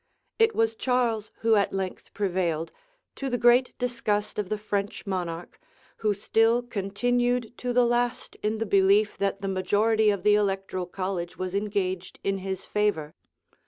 It was Charles who at length prevailed, to the great disgust of the French monarch, who still continued to the last in the belief that the majority of the electoral college was engaged in his favor.